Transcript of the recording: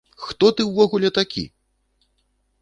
Хто ты ўвогуле такі?!